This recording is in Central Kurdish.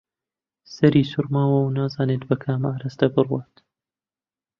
سەری سووڕماوە و نازانێت بە کام ئاراستە بڕوات